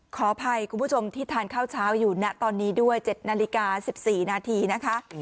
ขออภัยคุณผู้ชมที่ทานข้าวเช้าอยู่ณตอนนี้ด้วย๗นาฬิกา๑๔นาทีนะคะ